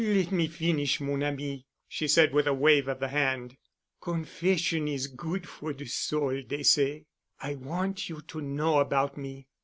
"Let me finish, mon ami," she said with a wave of the hand. "Confession is good for de soul, dey say. I want you to know about me.